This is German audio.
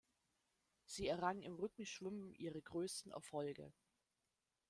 Sie errang im Rückenschwimmen ihre größten Erfolge.